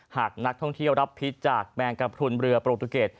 หากนักท่องเที่ยวรับพิษจากแมงกระพรุนเรือโปรตุเกต